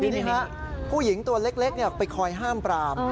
ทีนี้ฮะผู้หญิงตัวเล็กไปคอยห้ามปราม